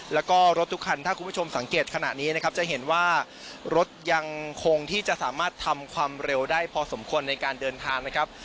แล้วก็รถทุกคันถ้าคุณผู้ชมสังเกตขณะนี้นะครับจะเห็นว่ารถยังคงที่จะสามารถทำความเร็วได้พอสมควรในการเดินทางนะครับ